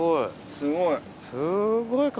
すごい数。